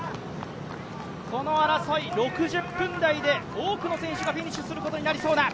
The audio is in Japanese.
この争い、６０分台で多くの選手がフィニッシュすることになりそうだ。